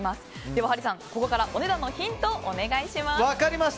ではハリーさん、ここからお値段のヒントをお願いします。